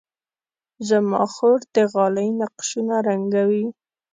زما خور د غالۍ نقشونه رنګوي.